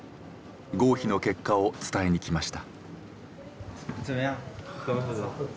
合否の結果を伝えに来ました。